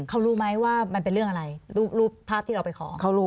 เขารู้ไหมว่ามันเป็นเรื่องอะไรรูปภาพที่เราไปขอเขารู้